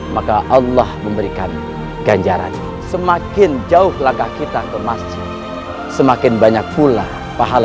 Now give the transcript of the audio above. maka allah memberikan ganjaran semakin jauh langkah kita ke masjid semakin banyak pula